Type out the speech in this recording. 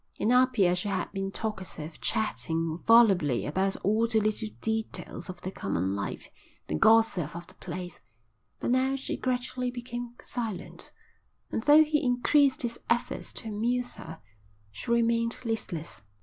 In Apia she had been talkative, chatting volubly about all the little details of their common life, the gossip of the place; but now she gradually became silent, and, though he increased his efforts to amuse her, she remained listless.